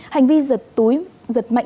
hành vi giật túi giật mạnh bệnh